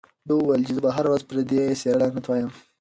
ده وویل چې زه به هره ورځ پر دې څېره لعنت وایم.